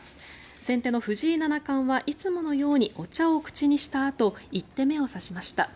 先手の藤井七冠はいつものようにお茶を口にしたあと１手目を指しました。